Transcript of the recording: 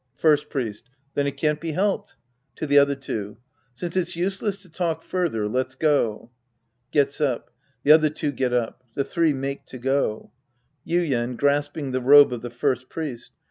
First Priest. Then it can't be helped. {To the other two!) Since it'i useless to talk further, let's go. {Gets up. The other two get up. The three make to go.) Yuien {grasping the robe of the First Priest).